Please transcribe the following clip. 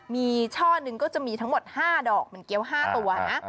มีช่อหนึ่งก็จะมีทั้งหมด๕ดอกมันเกี้ยว๕ตัวนะ